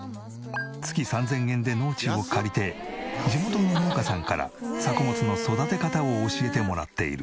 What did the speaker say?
月３０００円で農地を借りて地元の農家さんから作物の育て方を教えてもらっている。